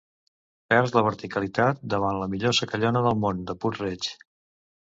Perds la verticalitat davant la millor secallona del món, de Puig-reig.